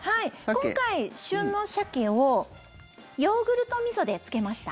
今回、旬のサケをヨーグルトみそで漬けました。